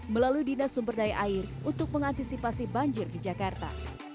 melalui dinas sumberdaya air untuk mengantisipasi banjir di jakarta